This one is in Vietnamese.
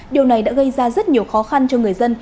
điều này đã gây ra rất nhiều khó khăn cho người dân